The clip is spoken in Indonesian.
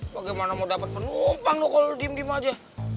bagaimana mau dapat penumpang kalau lo diam diam aja